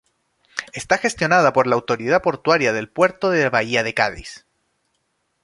Está gestionada por la autoridad portuaria del puerto de la bahía de Cádiz.